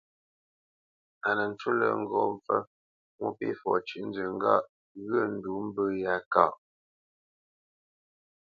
A nə ncú lə́ ŋgó mpfə́ Mwôpéfɔ cʉ́ʼnzə ŋgâʼ ghyə̂ ndǔ mbə̂ yá káʼ.